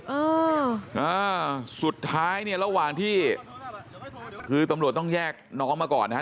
เอออ่าสุดท้ายเนี่ยระหว่างที่คือตำรวจต้องแยกน้องมาก่อนนะฮะ